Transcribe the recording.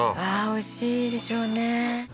おいしいでしょうね。